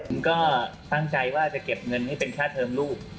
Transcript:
ผมก็ตั้งใจว่าจะเก็บเงินให้เป็นค่าเทิมลูก